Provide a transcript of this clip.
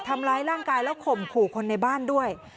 ทำร้ายร่างกายแล้วข่มขู่คนในบ้านด้วย